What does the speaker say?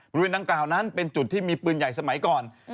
บริเวณดังกล่าวนั้นเป็นจุดที่มีปืนใหญ่สมัยก่อน